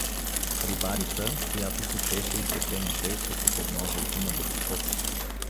Рибарица, която хучеше и се пенеше като подножието на водоскок.